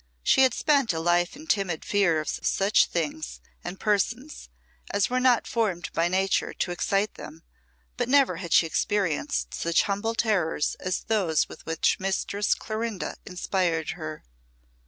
She had spent a life in timid fears of such things and persons as were not formed by Nature to excite them, but never had she experienced such humble terrors as those with which Mistress Clorinda inspired her.